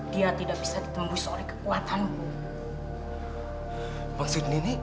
dia tidak bisa ditembus oleh kekuatanmu